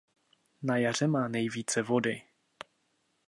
Na jaře má nejvíce vody.